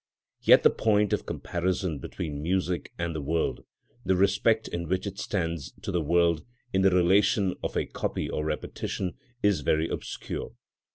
Yet the point of comparison between music and the world, the respect in which it stands to the world in the relation of a copy or repetition, is very obscure.